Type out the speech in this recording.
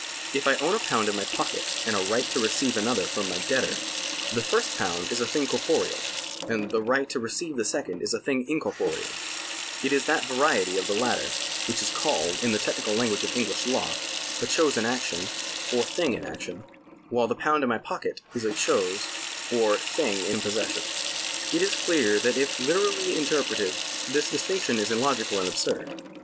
If I own a pound in my pocket and a right to receive another from my debtor, the first pound is a thing corporeal, and the right to receive the second is a thing incorporeal ; it is that variety of the latter, which is called, in the technical language of EngHsh law, a chose in action or thing in action ; while the pound in my pocket is a chose or thing in possession.^ It is clear that if literally interpreted, this distinction is illogical and absurd.